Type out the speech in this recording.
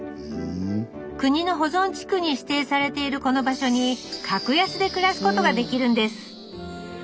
国の保存地区に指定されているこの場所に格安で暮らすことができるんです。